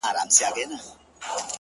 • د ویالو په څېر یې ولیدل سیندونه ,